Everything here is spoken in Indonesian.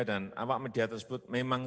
dan awak media tersebut memang